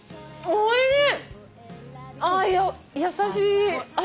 おいしい。